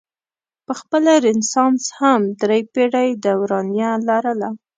پخپله رنسانس هم درې پیړۍ دورانیه لرله.